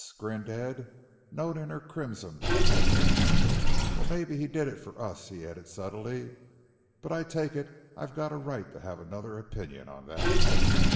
grinned Ed, noting her crimson, happy face. "Well, mebbe he did it for us," he added subtly, "but I take it I've got a right to have another opinion on that."